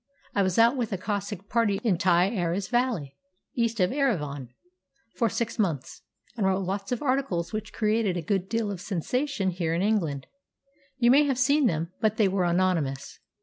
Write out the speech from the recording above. I was out with a Cossack party in Thai Aras valley, east of Erivan, for six months, and wrote lots of articles which created a good deal of sensation here in England. You may have seen them, but they were anonymous.